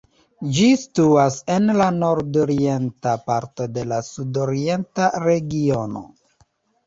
Ĝi situas en la nordorienta parto de la sudorienta regiono.